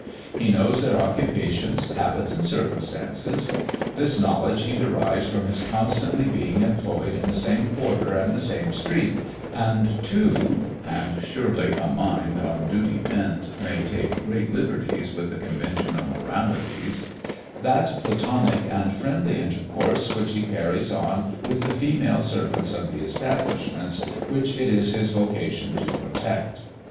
He knows their occupations, habits, and circumstances. This knowledge he derives from his constantly being employed in the same quarter and the same street, and to and surely a mind on duty bent may take great liberties with the conventional moralities that platonic and friendly intercourse which he carries on with the female servants of the establishments which it is his vocation to protect.